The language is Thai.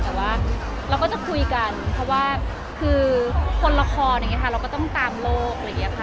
แต่ว่าเราก็จะคุยกันเพราะว่าคือคนละครเราก็ต้องตามโลก